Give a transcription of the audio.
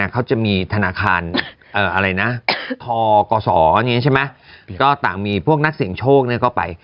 เค้าจะมีธนาคารทกศใช่ไหมก็ต่างมีพวกนักเสียงโชคก็ไป